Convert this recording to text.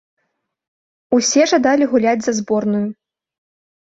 Усе жадалі гуляць за зборную.